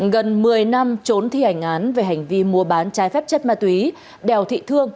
gần một mươi năm trốn thi hành án về hành vi mua bán trái phép chất ma túy đào thị thương